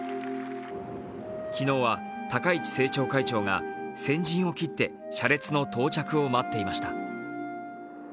昨日は高市政調会長が先陣を切って車列の到着を待っていました。